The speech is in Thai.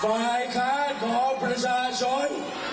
ฝ่ายค้านของประชาชน